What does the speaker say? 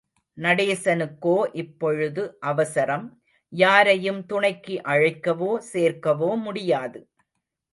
நடேசனுக்கோ இப்பொழுது அவசரம், யாரையும் துணைக்கு அழைக்கவோ, சேர்க்கவோ முடியாது.